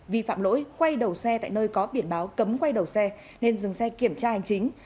vi phạm lỗi quay đầu xe tại nơi có biển báo cấm quay đầu xe nên dừng xe kiểm tra hành chính